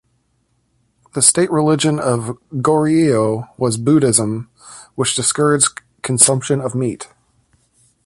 The state religion of Goryeo was Buddhism, which discouraged consumption of meat.